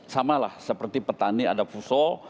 sama lah seperti petani ada pusok